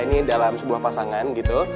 ini dalam sebuah pasangan gitu